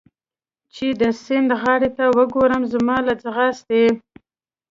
چې د سیند غاړې ته وګورم، زما له ځغاستې.